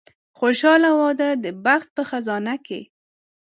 خوشاله واده د بخت په خزانه کې.